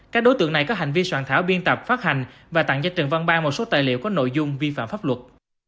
các đối tượng này có hành vi soạn thảo biên tập phát hành và tặng cho trần văn ban một số tài liệu có nội dung vi phạm pháp luật